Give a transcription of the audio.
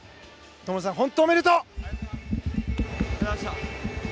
灯さん、本当におめでとう！